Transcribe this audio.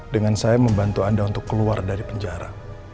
dengan saya membantu anda untuk keluar dari penjara